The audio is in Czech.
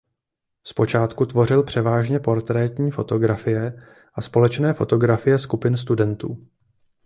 Zpočátku tvořil převážně portrétní fotografie a společné fotografie skupin studentů.